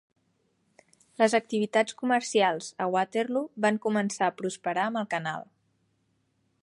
Les activitats comercials a Waterloo van començar a prosperar amb el canal.